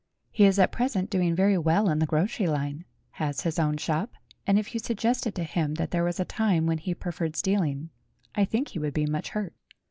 He is at present doing very well in the grocery line, has his own shop, and if you suggested to him that there was a time when he preferred stealing, I think he would be much hurt.